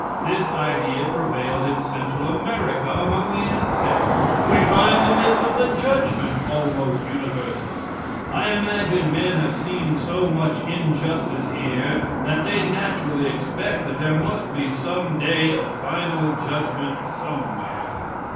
This idea prevailed in Central America among the Aztecs. We find the myth of the judgment almost universal. I imagine men have seen so much injustice here that they naturally expect that there must be some day of final judgment somewhere.